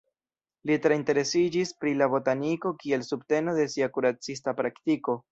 Li tre interesiĝis pri la botaniko kiel subteno de sia kuracista praktiko.